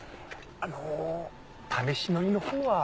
あの試し乗りのほうは？